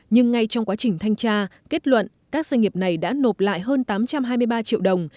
nhưng ngay trong quá trình thanh tra kết luận các doanh nghiệp này đã nộp lại hơn tám trăm hai mươi ba triệu đồng